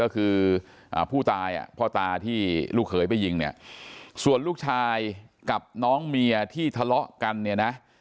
ก็คือผู้ตายพ่อตาที่ลูกเขยไปยิงเนี่ยส่วนลูกชายกับน้องเมียที่ทะเลาะกันเนี่ยนะ